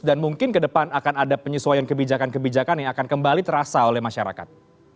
dan mungkin ke depan akan ada penyesuaian kebijakan kebijakan yang akan kembali terasa oleh masyarakat